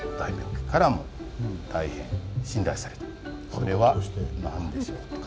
それは何でしょうかと。